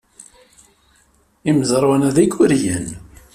Imezrawen-a d ikuriyen.